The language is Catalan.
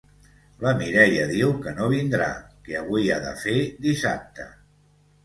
La Mireia diu que no vindrà, que avui ha de fer dissabte.